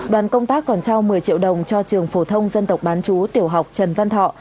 đoàn công tác còn trao một mươi triệu đồng cho trường phổ thông dân tộc bán chú tiểu học trần văn thọ